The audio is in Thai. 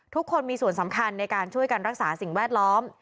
ทุกคนมีส่วนสำคัญในการช่วยกันรักษาสิ่งแวดล้อม